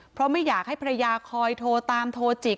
เพราะไม่อยากให้ภรรยาคอยโทรตามโทรจิก